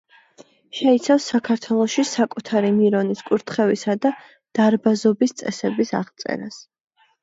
შეიცავს საქართველოში საკუთარი მირონის კურთხევისა და დარბაზობის წესების აღწერას.